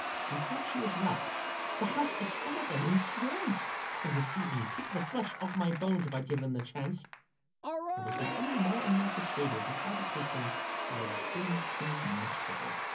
" You thought she was rats ?"" The house is full of them — in swarms ! They'd have eaten me — picked the flesh off my bones 1 — if I'd given them the chance." I was becoming more and more persuaded that agitation had been too much for her.